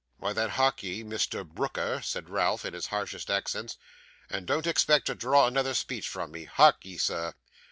'Why then, harkye, Mr. Brooker,' said Ralph, in his harshest accents, 'and don't expect to draw another speech from me. Harkye, sir.